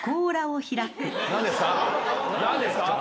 何ですか？